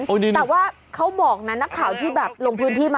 แต่ว่าเขาบอกนะนักข่าวที่แบบลงพื้นที่มา